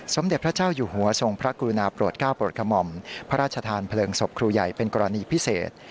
สมเด็จพระเจ้าอยู่หัวทรงพระกรุณาโปรดก้าวโปรดกระหม่อมพระราชทานเพลิงศพครูใหญ่เป็นกรณีพิเศษ